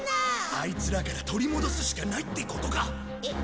あいつらから取り戻すしかないってことか。